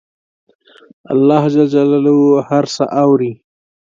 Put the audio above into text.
الله ج هر څه اوري